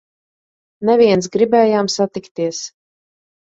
Neviens! Gribējām satikties!